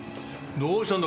どうしたんだ？